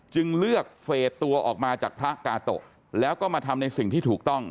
จึงเลือกเฟสตัวออกมาจากพระกาโตะแล้วก็มาทำในสิ่งที่ถูกต้อง